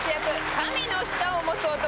神の舌を持つ男